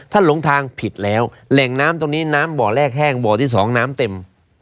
ถ้าหลงทางผิดแล้วแหล่งน้ำตรงนี้น้ำบ่อแรกแห้งบ่อที่สองน้ำเต็ม